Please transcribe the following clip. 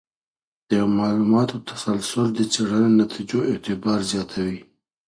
د معلوماتو تسلسل د څېړنې د نتیجو اعتبار زیاتوي.